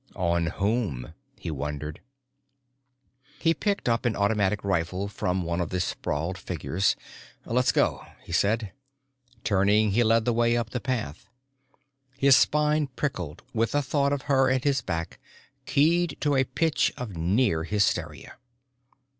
On whom? he wondered. He picked up an automatic rifle from one of the sprawled figures. "Let's go," he said. Turning, he led the way up the path. His spine prickled with the thought of her at his back, keyed to a pitch of near hysteria.